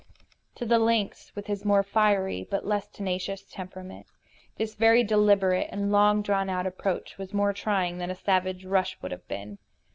To the lynx, with his more fiery but less tenacious temperament, this very deliberate and long drawn out approach was more trying than a savage rush would have been.